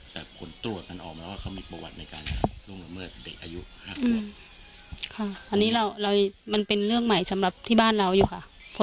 โดยคุณท่ามาถึงครับเป็นเรื่องใหม่ที่บ้านเราอยู่ครับ